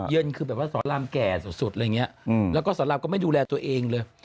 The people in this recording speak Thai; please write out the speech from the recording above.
คือแบบว่าสอนรามแก่สุดอะไรอย่างนี้แล้วก็สอนรามก็ไม่ดูแลตัวเองเลย